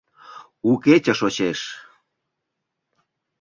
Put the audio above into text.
У кече шочеш